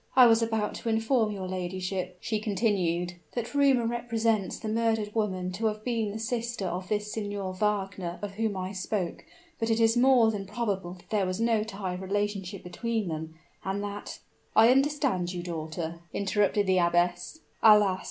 "I was about to inform your ladyship," she continued, "that rumor represents the murdered woman to have been the sister of this Signor Wagner of whom I spoke; but it is more than probable that there was no tie of relationship between them and that " "I understand you, daughter," interrupted the abbess. "Alas!